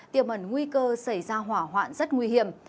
tiềm ẩn nguy cơ xảy ra hỏa hoạn rất nguy hiểm